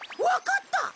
わかった！